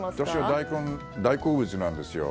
私は大根大好物です。